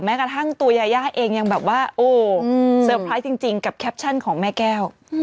กระทั่งตัวยายาเองยังแบบว่าโอ้เซอร์ไพรส์จริงกับแคปชั่นของแม่แก้ว